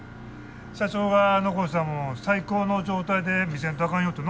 社長が残したもんを最高の状態で見せんとあかんよってな。